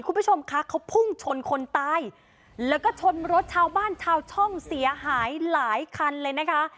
คุณผู้ชมคะเขาพุ่งชนคนตายแล้วก็ชนรถชาวบ้านชาวช่องเสียหายหลายคันเลยนะคะ